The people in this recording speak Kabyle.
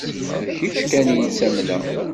D kečč kan i ttamneɣ.